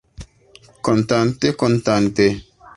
Kontante, kontante.